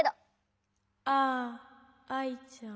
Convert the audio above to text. ああアイちゃん。